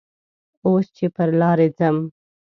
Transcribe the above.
اوس چې پر لارې ځم